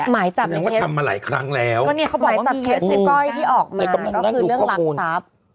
หมายจากเคสก็นี่เขาบอกว่ามีเหยื่ออืมแล้วกำลังนั่งดูข้อควร